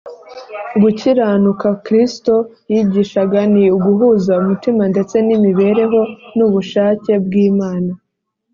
gukiranuka kristo yigishaga ni uguhuza umutima ndetse n’imibereho n’ubushake bw’imana